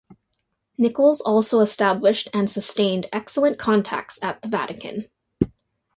Nichols also established and sustained excellent contacts at the Vatican.